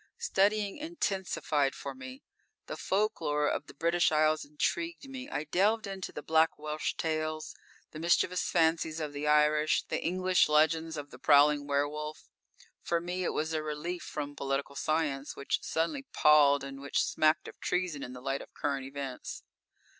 Studying intensified for me. The folklore of the British Isles intrigued me. I delved into the Black Welsh tales, the mischievous fancies of the Irish, the English legends of the prowling werewolf. For me it was a relief from political science, which suddenly palled and which smacked of treason in the light of current events.